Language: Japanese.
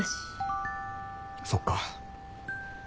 そっか。